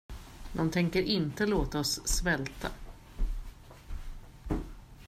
De tänker inte låta oss svälta.